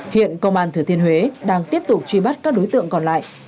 hiện công an thừa thiên huế đang tiếp tục truy bắt các đối tượng còn lại